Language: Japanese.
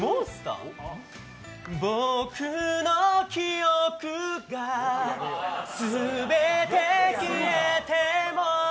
僕の記憶がすべて消えても